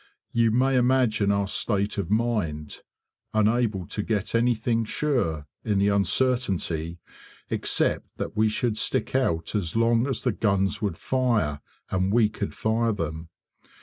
You may imagine our state of mind, unable to get anything sure in the uncertainty, except that we should stick out as long as the guns would fire, and we could fire them.